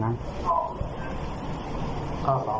ใช้เท้าเตะ